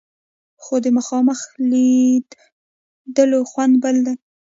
خو د مخامخ لیدلو خوند بل دی.